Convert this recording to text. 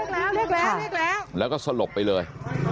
มีชีวิตแล้วก็สลบไปเลย